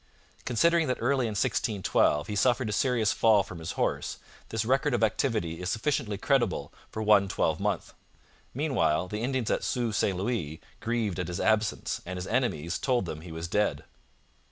Considering that early in 1612 he suffered a serious fall from his horse, this record of activity is sufficiently creditable for one twelve month. Meanwhile the Indians at Sault St Louis grieved at his absence, and his enemies told them he was dead.